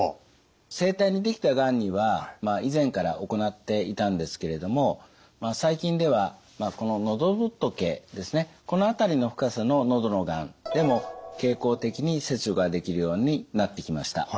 声帯にできたがんには以前から行っていたんですけれども最近ではこの喉仏ですねこの辺りの深さの喉のがんでも経口的に切除ができるようになってきました。